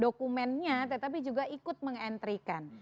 dokumennya tetapi juga ikut meng entry kan